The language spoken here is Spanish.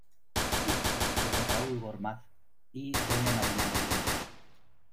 Hijo de don "Raúl Gormaz" y doña "Marina Molina".